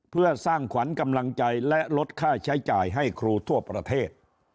เพื่อสร้างขวัญกำลังใจและลดค่าใช้จ่ายให้ครูทั่วประเทศ